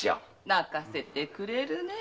泣かせてくれるねえ。